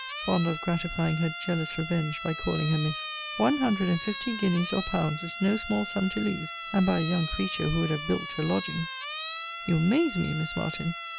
(fond of gratifying her jealous revenge, by calling her Miss,) One hundred and fifty guineas, or pounds, is no small sum to lose and by a young creature who would have bilked her lodgings. You amaze me, Miss Martin!